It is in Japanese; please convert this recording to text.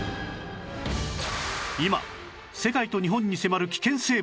今世界と日本に迫る危険生物